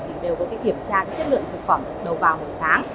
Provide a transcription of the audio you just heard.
thì đều có kiểm tra chất lượng thực phẩm đầu vào mỗi sáng